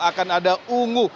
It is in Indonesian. akan ada ungu